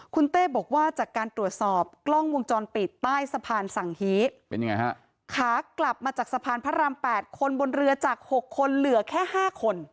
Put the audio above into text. คุณเต้บอกว่าจากการตรวจสอบกล้องวงจรปิดใต้สะพานสังฮีเป็นยังไงฮะขากลับมาจากสะพานพระราม๘คนบนเรือจาก๖คนเหลือแค่๕คน